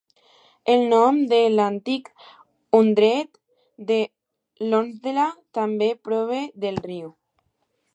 El nom de l'antic "hundred" de Lonsdale també prové del riu.